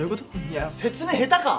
いや説明下手か！